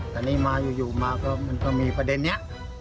แต่นี่มาอยู่มาก็มันก็มีประเด็นนี้